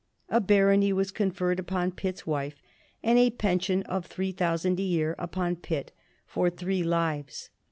A barony was conferred upon Pitt's wife and a pension of three thousand a year upon Pitt for three lives.